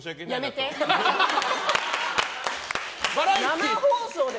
生放送で。